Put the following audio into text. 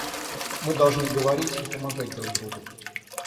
Мы должны говорить и помогать друг другу.